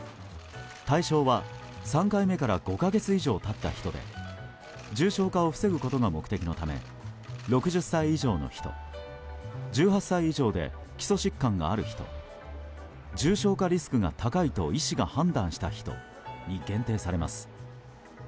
対象は、３回目から５か月以上経った人で重症化を防ぐことが目的のため６０歳以上の人１８歳以上で基礎疾患がある人重症化リスクが高いと医師が判断した人に限定されます。